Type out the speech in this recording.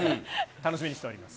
楽しみにしております。